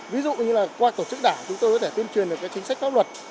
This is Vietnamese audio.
ví dụ như là qua tổ chức đảng chúng tôi có thể tuyên truyền được chính sách pháp luật